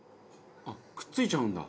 あっくっついちゃうんだ。